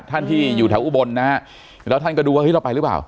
ท่านที่อยู่แถวอุบลนะฮะแล้วท่านก็ดูว่าเฮ้เราไปหรือเปล่า